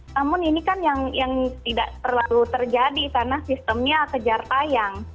namun ini kan yang tidak terlalu terjadi karena sistemnya kejar tayang